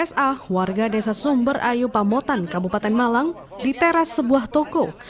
s a warga desa sumber ayu pamotan kabupaten malang diteras sebuah toko